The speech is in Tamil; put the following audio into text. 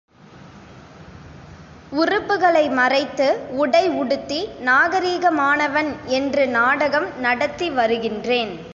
உறுப்புக்களை மறைத்து, உடை உடுத்தி நாகரிகமானவன் என்று நாடகம் நடத்திவருகின்றேன்!